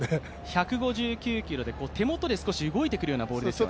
１５９キロで手元で少し動いてくるようなボールですね。